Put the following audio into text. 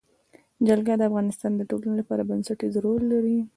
جلګه د افغانستان د ټولنې لپاره بنسټيز رول لري.